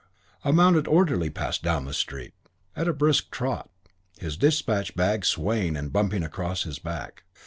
A mounted orderly passed down the street at a brisk trot, his dispatch bag swaying and bumping across his back.